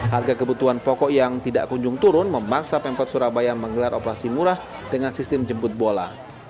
harga kebutuhan pokok yang tidak kunjung turun memaksa pemkot surabaya menggelar operasi murah dengan sistem jemput bola